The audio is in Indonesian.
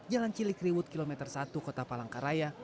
jalan cilikriwut kilometer satu kota palangkaraya